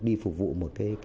đi phục vụ một cái